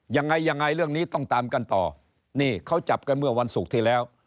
ยังไงยังไงเรื่องนี้ต้องตามกันต่อนี่เขาจับกันเมื่อวันศุกร์ที่แล้ว